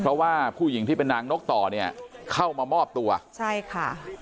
เพราะว่าผู้หญิงที่เป็นนางนกต่อเนี่ยเข้ามามอบตัวใช่ค่ะ